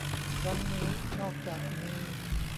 ครั้งนี้นอกจากมี